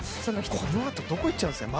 このあとどこにいっちゃうんですかね。